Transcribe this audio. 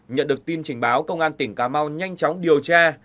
nhận được tin trình báo công an tỉnh cà mau nhanh chóng điều tra